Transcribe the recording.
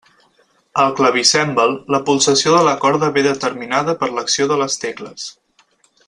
Al clavicèmbal la pulsació de la corda ve determinada per l'acció de les tecles.